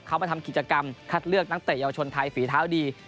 เขามาทำกิจกรรมคัดเลือกนักเตะเยาวชนไทยฝีเท้าดี